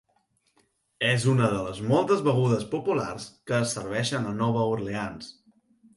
És una de moltes de les begudes populars que es serveixen a Nova Orleans.